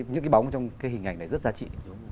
những cái bóng trong cái hình ảnh này rất giá trị